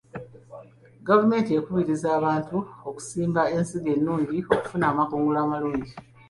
Gavumenti ekubiriza abantu okusimba ensigo ennungi okufuna amakungula amalungi.